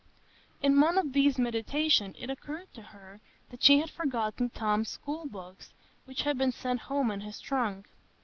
In one of these meditations it occurred to her that she had forgotten Tom's school books, which had been sent home in his trunk.